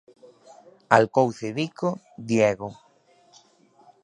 Alcouce Bico, Diego.